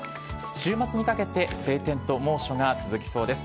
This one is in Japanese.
週末にかけて晴天と猛暑が続きそうです。